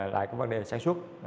lại cái vấn đề sản xuất